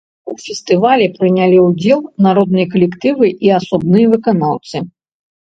У фестывалі прынялі ўдзел народныя калектывы і асобныя выканаўцы.